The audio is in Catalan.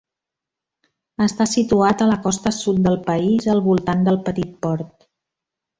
Està situat a la costa sud del país, al voltant del petit port.